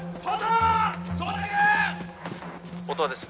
音羽です